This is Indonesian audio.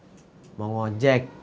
tidak ada yang bisa dikira